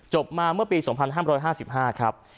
มาเมื่อปี๒๕๕๕ครับ